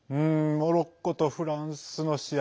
モロッコとフランスの試合